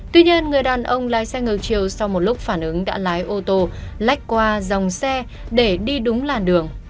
tuy nhiên người đàn ông lái xe ngược chiều sau một lúc phản ứng đã lái ô tô lách qua dòng xe để đi đúng làn đường